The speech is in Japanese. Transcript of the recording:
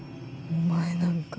お前なんか。